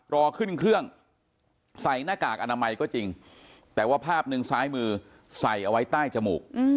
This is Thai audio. รอขึ้นเครื่องใส่หน้ากากอนามัยก็จริงแต่ว่าภาพหนึ่งซ้ายมือใส่เอาไว้ใต้จมูก